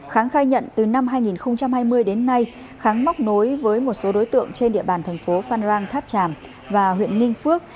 kháng khai nhận từ năm hai nghìn hai mươi đến nay kháng móc nối với một số đối tượng trên địa bàn thành phố phan rang tháp tràm và huyện ninh phước